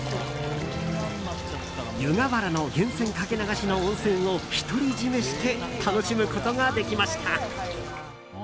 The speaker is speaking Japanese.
湯河原の源泉かけ流しの温泉を独り占めして楽しむことができました。